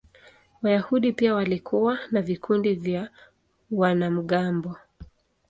Wayahudi pia walikuwa na vikundi vya wanamgambo.